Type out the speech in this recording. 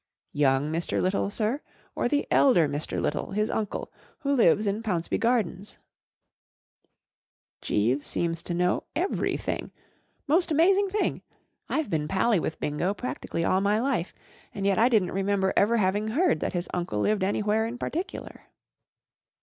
11 Young Mr. Little, sir p or the elder Mr. Little, his uncle, who lives in Pounceby Gardens ?Jeeves seems to know everything. Most amazing thing, I'd been pally with Bingo practically all my life, and yet I didn't remember ever having heard that his uncle lived anywhere in particular.